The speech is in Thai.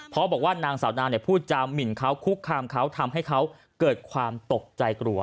เพราะบอกว่านางสาวนาพูดจามหมินเขาคุกคามเขาทำให้เขาเกิดความตกใจกลัว